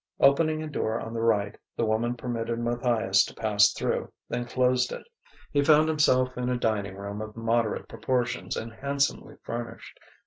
Opening a door on the right, the woman permitted Matthias to pass through, then closed it. He found himself in a dining room of moderate proportions and handsomely furnished.